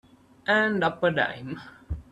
And up a dime.